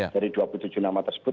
dari dua puluh tujuh nama tersebut